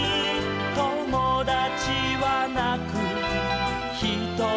「ともだちはなくひとりぽっち」